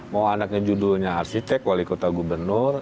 mau anaknya judulnya arsitek wali kota gubernur